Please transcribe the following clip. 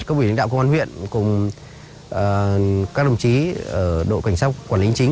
công ủy lãnh đạo công an huyện cùng các đồng chí đội cảnh sát quản lý chính